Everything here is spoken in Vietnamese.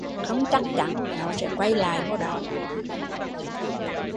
Không chắc chắn nó sẽ quay lại đó